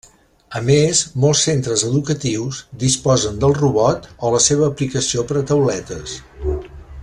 A més, molts centres educatius disposen del robot o la seva aplicació per a tauletes.